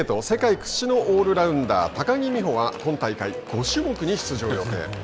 世界屈指のオールラウンダー高木美帆は今大会、５種目に出場予定。